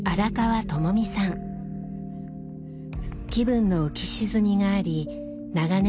気分の浮き沈みがあり長年